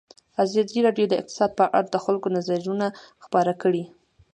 ازادي راډیو د اقتصاد په اړه د خلکو نظرونه خپاره کړي.